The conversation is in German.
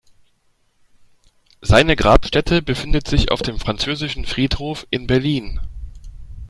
Seine Grabstätte befindet sich auf dem Französischen Friedhof in Berlin.